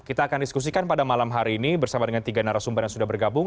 kita akan diskusikan pada malam hari ini bersama dengan tiga narasumber yang sudah bergabung